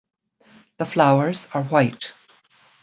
The flowers are white.